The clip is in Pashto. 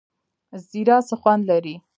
زیره څه خوند لري؟